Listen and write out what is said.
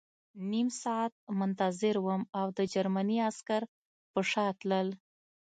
نیم ساعت منتظر وم او د جرمني عسکر په شا تلل